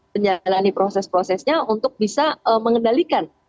menjalani proses prosesnya untuk bisa mengendalikan